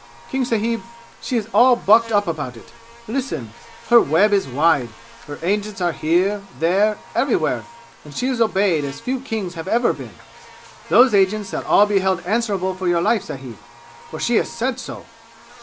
King sahib, she is all bucked up about it! Listen her web is wide! Her agents are here there everywhere, and she is obeyed as few kings have ever been! Those agents shall all be held answerable for your life, sahib, for she has said so!